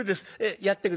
やって下さい」。